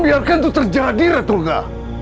biarkan itu terjadi ratu lga